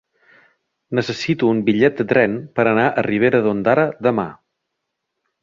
Necessito un bitllet de tren per anar a Ribera d'Ondara demà.